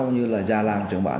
cũng như là già làm trưởng bản